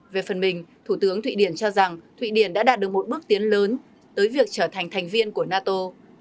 về phần mình thủ tướng thụy điển cho rằng thụy điển đã đạt được một bước tiến lớn tới việc trở thành thành viên của nato